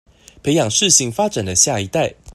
培養適性發展的下一代